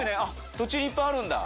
途中にいっぱいあるんだ。